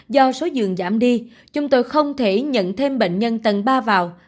do số giường giảm đi chúng tôi không thể nhận thêm bệnh nhân tầng ba vào